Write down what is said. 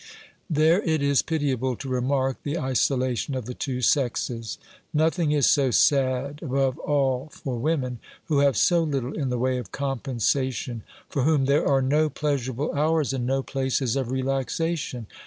There it is pitiable to remark the isolation of the two sexes. Nothing is so sad, above all for women, who have so little in the way of compensation, for whom there are no pleasurable heurs and no places of relaxation.